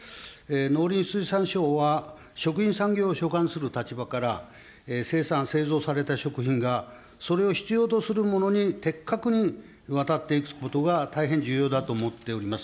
農林水産省は食品産業を所管する立場から生産、製造された食品がそれを必要とするものに的確に渡っていくことが大変重要だと思っております。